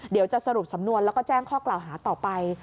เดี๋ยวจะสรุปสำนวนแล้วก็แจ้งข้อกล่าวหาต่อไป